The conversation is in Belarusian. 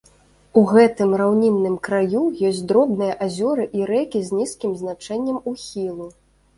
У гэтым раўнінным краю ёсць дробныя азёры і рэкі з нізкім значэннем ухілу.